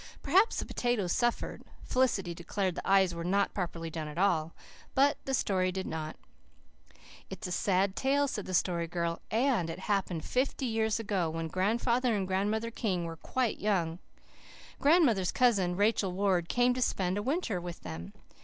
Perhaps the potatoes suffered Felicity declared the eyes were not properly done at all but the story did not. "It is a sad story," said the Story Girl, "and it happened fifty years ago, when Grandfather and Grandmother King were quite young. Grandmother's cousin Rachel Ward came to spend a winter with them.